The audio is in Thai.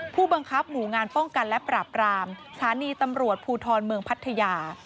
ผู้บังคับหมู่งานป้องกันและปราบรามสถานีตำรวจภูทรเมืองพัทยา